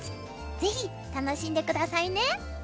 ぜひ楽しんで下さいね。